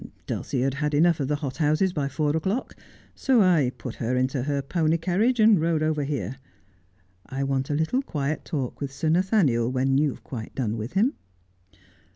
' Dulcie had had enough of the hothouses by four o'clock, so I put her into her pony carriage and rode over here. I want a little quiet talk with Sir Nathaniel when you've quite done with him.'